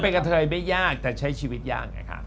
เป็นกะเทยไม่ยากแต่ใช้ชีวิตยากไงครับ